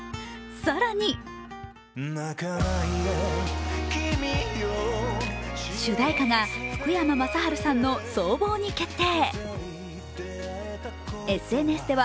更に主題歌が福山雅治さんの「想望」に決定。